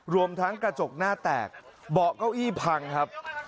รวมทั้งกระจกหน้าแตกเบาะเก้าอี้พังครับ